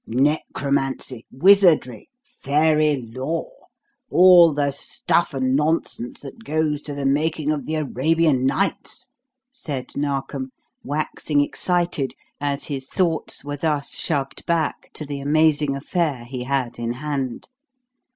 "Necromancy wizardry fairy lore all the stuff and nonsense that goes to the making of 'The Arabian Nights'!" said Narkom, waxing excited as his thoughts were thus shoved back to the amazing affair he had in hand.